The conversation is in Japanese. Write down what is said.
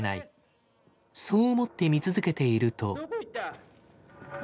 そう思って見続けていると。